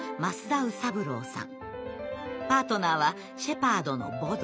パートナーはシェパードのボド。